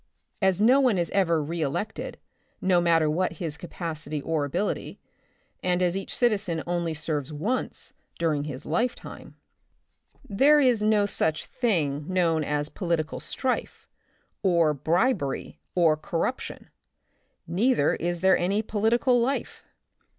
As no one is ever re elected, no matter what his capacity or ability, and as each citizen only serves once during his life time, there is no such thing known as poli tical strife, or bribery or corruption. Neither is there any political life.